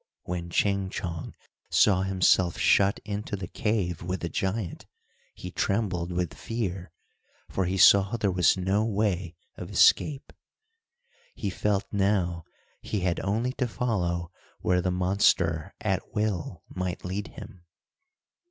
When Ching Chong saw himself shut into the cave with the giant, he trembled with fear, for he saw there was no way of escape. He felt now, he had only to follow where the monster at will might lead him.